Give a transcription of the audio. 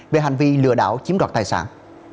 về hành vi lừa đảo chiếm gọt tài sản